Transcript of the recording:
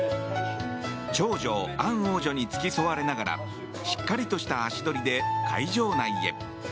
長女アン王女に付き添われながらしっかりとした足取りで会場内へ。